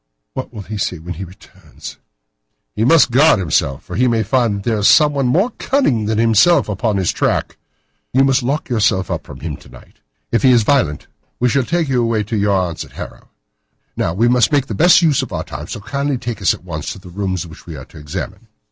What will he say when he returns?" "He must guard himself, for he may find that there is someone more cunning than himself upon his track. You must lock yourself up from him to night. If he is violent, we shall take you away to your aunt's at Harrow. Now, we must make the best use of our time, so kindly take us at once to the rooms which we are to examine."